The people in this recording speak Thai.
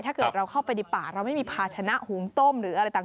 ถ้าเกิดเราเข้าไปในป่าเราไม่มีภาชนะหุงต้มหรืออะไรต่าง